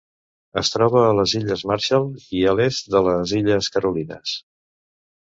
Es troba a les Illes Marshall i a l'est de les Illes Carolines.